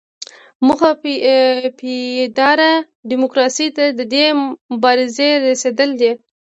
موخه پایداره ډیموکراسۍ ته د دې مبارزې رسیدل دي.